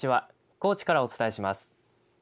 高知からお伝えします。